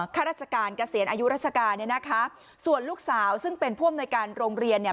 ข้าราชการเกษียณอายุราชการเนี่ยนะคะส่วนลูกสาวซึ่งเป็นผู้อำนวยการโรงเรียนเนี่ย